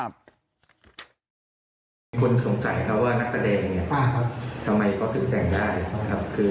มีคนสงสัยว่านักแสดงทำไมเขาถึงแต่งได้